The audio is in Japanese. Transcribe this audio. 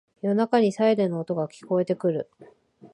夜中にサイレンの音が聞こえてくる